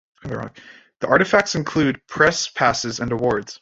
The artifacts include press passes and awards.